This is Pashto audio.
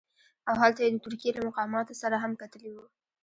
او هلته یې د ترکیې له مقاماتو سره هم کتلي وو.